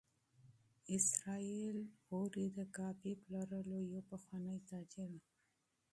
اسراییل اوري د کافي پلورلو یو پخوانی تاجر و.